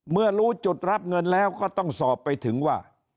เมื่อรู้จุดรับเงินแล้วก็ต้องสอบไปถึงว่า